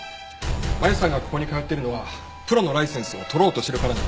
真由さんがここに通ってるのはプロのライセンスを取ろうとしてるからなんです。